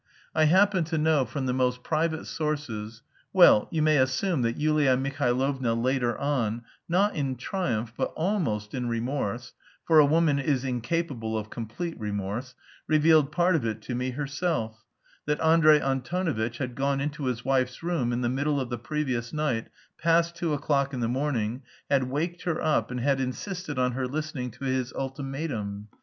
I happen to know from the most private sources (well, you may assume that Yulia Mihailovna later on, not in triumph but almost in remorse for a woman is incapable of complete remorse revealed part of it to me herself) that Andrey Antonovitch had gone into his wife's room in the middle of the previous night, past two o'clock in the morning, had waked her up, and had insisted on her listening to his "ultimatum."